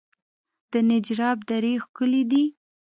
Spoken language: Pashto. د نجراب درې ښکلې دي